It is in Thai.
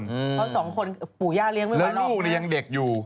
เพราะสองคนปู่ย่าเลี้ยงไว้แล้วลูกเนี่ยยังเด็กอยู่